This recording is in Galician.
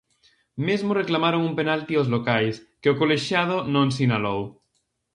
Mesmo reclamaron un penalti os locais, que o colexiado non sinalou.